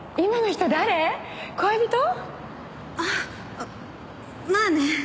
あまあね。